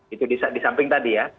itu di samping tadi ya